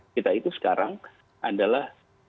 kita itu sekarang adalah